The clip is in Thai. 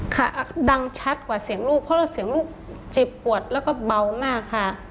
ค่ะดังชัดกว่าเสียงลูกเพราะว่าเสียงลูกเจ็บปวดแล้วก็เบามากค่ะ